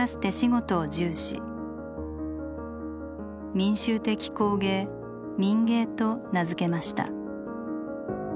民衆的工芸「民藝」と名付けました。